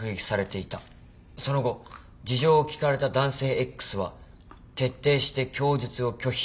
その後事情を聴かれた男性Ｘは徹底して供述を拒否。